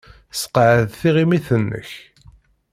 Sseqɛed tiɣimit-nnek.